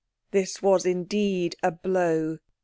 This was indeed a blow.